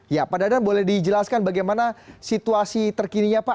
ya pak dadan boleh dijelaskan bagaimana situasi terkininya pak